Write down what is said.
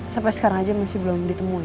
sampe sekarang aja masih belum ditemu lagi